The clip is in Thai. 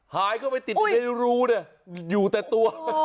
หายเข้าไปติดอยู่ในรูเนี่ยอยู่แต่ตัว